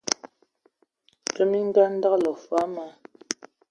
Dzom e andǝgələ fɔɔ ma,